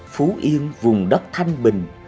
phú yên vùng đất thanh bình